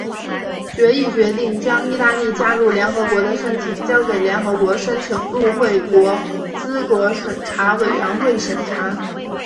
决议决定将意大利加入联合国的申请交给联合国申请入会国资格审查委员会审查。